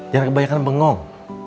jangan kebanyakan bengong